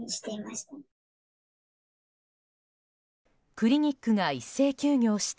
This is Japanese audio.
クリニックが一斉休業した